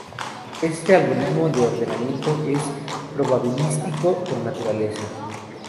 Este algoritmo de ordenamiento es probabilístico por naturaleza.